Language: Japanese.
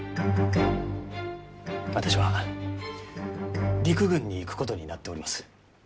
私は陸軍に行くことになっております。